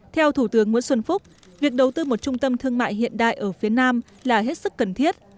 theo thủ tướng nguyễn xuân phúc việc đầu tư một trung tâm thương mại hiện đại ở phía nam là hết sức cần thiết